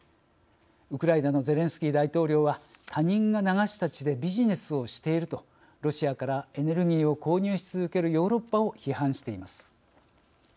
ウクライナのゼレンスキー大統領は「他人が流した血でビジネスをしている」とロシアからエネルギーを購入し続けるヨーロッパを批判しています。